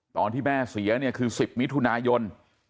ตอนที่แม่เสียเนี่ยคือ๑๐มิถุนายน